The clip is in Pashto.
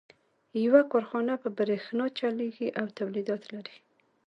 يوه کارخانه په برېښنا چلېږي او توليدات لري.